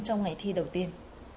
trong ngày thi đầu tiên